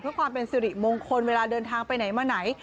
เพื่อความเป็นสิริมงคลเวลาเดินทางไปไหนมาไหน